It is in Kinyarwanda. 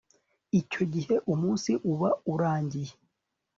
icyo gihe umunsi uba urangiye